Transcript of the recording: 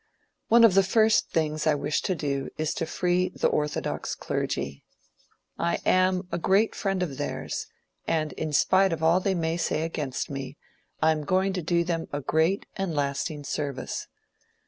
One of the first things I wish to do, is to free the orthodox clergy. I am a great friend of theirs, and in spite of all they may say against me, I am going to do them a great and lasting service.